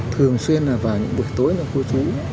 thường xuyên là vào những buổi tối và cô chú